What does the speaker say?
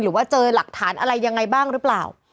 ว่าเจอหลักฐานอะไรยังไงบ้างหรือเปล่า